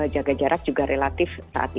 jaga jarak juga relatif saat ini